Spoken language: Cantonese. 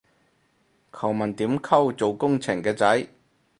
求問點溝做工程嘅仔